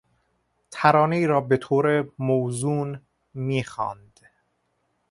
ترانهای را بهطور موزون میخواند.